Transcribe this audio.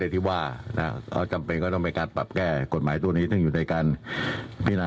การจบทาง